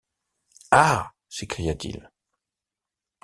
Ah ! s’écria-t-il